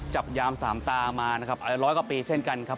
จับยามสามตามานะครับอะไรร้อยกว่าปีเช่นกันครับ